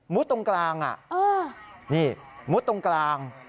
ตรงกลางนี่มุดตรงกลาง